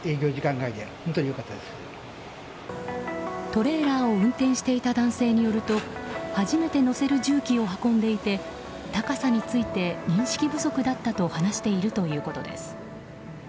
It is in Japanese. トレーラーを運転していた男性によると初めて載せる重機を運んでいて高さについて認識不足だったと話しているということです。